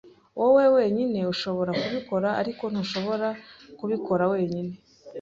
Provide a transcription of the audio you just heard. Wowe wenyine ushobora kubikora, ariko ntushobora kubikora wenyine.